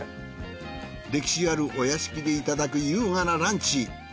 歴史あるお屋敷でいただく優雅なランチ。